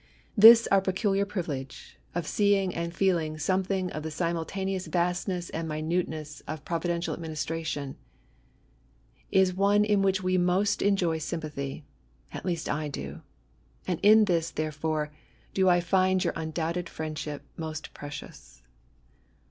This our pecjuliar privilege, of seeing and feeling something of the simultaneous vastnesB and minuteness of provi dential administration, is one in which we most enjoy sympathy; — at least, I do: — and in this^ therefore, do I find your undoubted fell6wship most precious.